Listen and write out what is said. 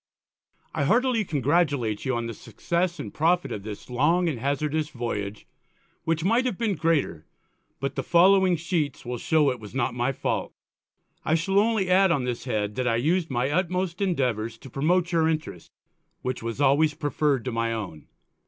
_ _I heartily congratulate you on the Success and Profit of this Long and Hazardous Voyage; which might have been greater, but the following Sheets will show it was not my fault._ _I shall only add on this Head, that I used my utmost Endeavours to promote your Interest, which was always prefer'd to my own.